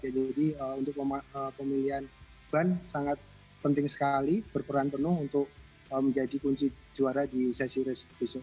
jadi untuk pemilihan ban sangat penting sekali berperan penuh untuk menjadi kunci juara di sesi race besok